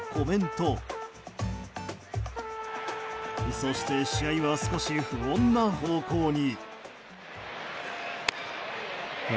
そして試合は少し不穏な方向に。